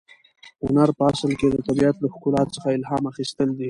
هنر په اصل کې د طبیعت له ښکلا څخه الهام اخیستل دي.